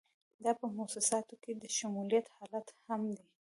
دا په موسساتو کې د شمولیت حالت هم دی.